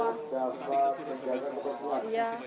tapi kita pun sudah berhasil berjaya